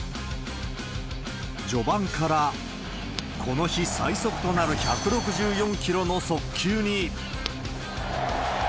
序盤から、この日最速となる１６４キロの速球に。